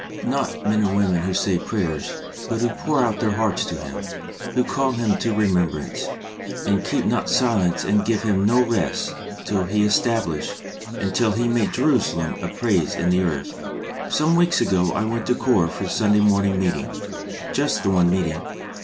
Not men and women who say prayers, but who pour out their hearts to Him, who call Him to remembrance and " keep not silence and give Him no rest till He establish and till He make Jerusalem a praise in the earth. Some weeks ago I went to a Corps for the Sunday morning meeting, just the one meeting.